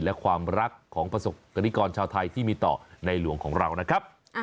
และความรักของประสบกรณิกรชาวไทยที่มีต่อในหลวงของเรานะครับ